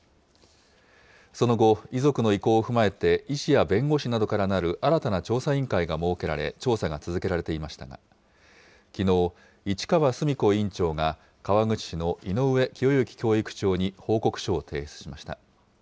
その後、遺族の意向を踏まえて、医師や弁護士などからなる新たな調査委員会が設けられ、調査が続けられていましたが、きのう、市川須美子委員長が、川口市の井上清之教育長に報告書を提出しました。